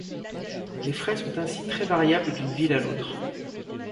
Les frais sont ainsi très variables d'une ville à l'autre.